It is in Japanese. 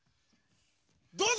どうぞ！